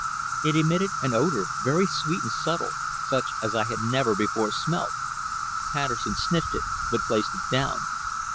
It emitted an odour very sweet and subtle, such as I had never before smelt. Patterson sniffed it, but placed it down.